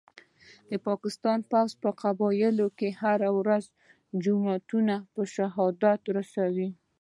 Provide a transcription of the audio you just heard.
د پاکستان پوځ په قبایلو کي هره ورځ جوماتونه په شهادت رسوي